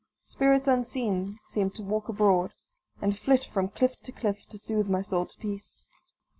Spirits unseen seemed to walk abroad, and flit from cliff to cliff to soothe my soul to peace.